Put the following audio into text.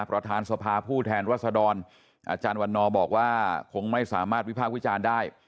ประธานสภาผู้แทนวัสดรอาจารย์วันฆนอธิบายอาจารย์อชันวันนอกบอกว่าคงไม่สามารถวิภาควิจารณ์ได้